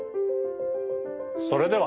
それでは。